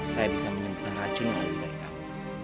saya bisa menyembah racun yang ada di taikamu